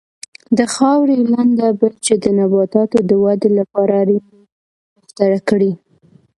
د خاورې لنده بل چې د نباتاتو د ودې لپاره اړین دی بهتره کړي.